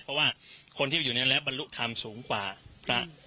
เพราะว่าคนที่อยู่ในและบรรลุธรรมสูงกว่าพระ